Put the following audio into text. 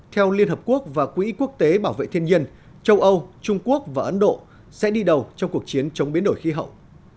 theo liên hợp quốc và quỹ quốc tế bảo vệ thiên nhiên châu âu trung quốc và ấn độ sẽ đi đầu trong cuộc chiến chống biến đổi khí hậu